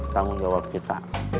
tanggung jawab kita